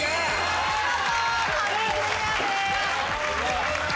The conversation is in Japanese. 見事壁クリアです。